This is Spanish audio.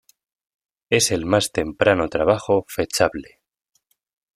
Es el más temprano trabajo fechable.